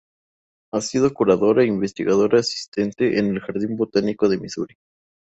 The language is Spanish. Ha sido curador e investigador asistente en el Jardín Botánico de Misuri.